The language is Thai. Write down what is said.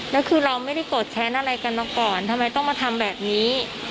แล้วคือเราไม่ได้โกรธแค้นอะไรกันมาก่อนทำไมต้องมาทำแบบนี้